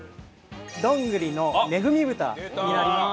どんぐりの恵み豚になります。